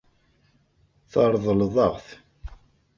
Tṛeḍleḍ-aɣ-t.